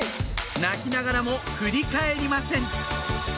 泣きながらも振り返りません